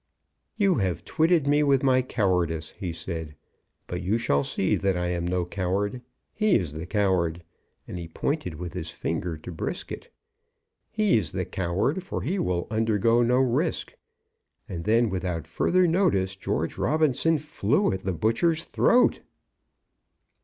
"You have twitted me with my cowardice," he said; "but you shall see that I am no coward. He is the coward!" and he pointed with his finger to Brisket. "He is the coward, for he will undergo no risk." And then, without further notice, George Robinson flew at the butcher's throat.